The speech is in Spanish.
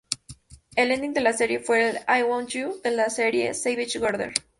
El ending de la serie fue ""I Want You"" de la banda Savage Garden.